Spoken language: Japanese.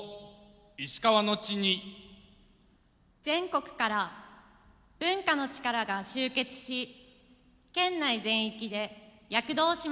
全国から文化の力が集結し県内全域で躍動します。